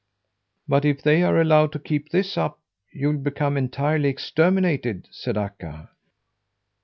"But if they are allowed to keep this up, you'll become entirely exterminated," said Akka.